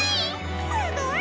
すごい！